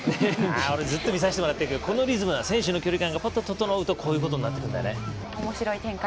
俺、ずっと見させてもらってるけどこのリズムが整うとこういうことになってくるんだよね。